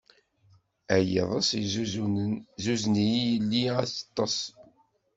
A yiḍes yezzuzunen, zuzen-iyi yelli ad teṭṭes.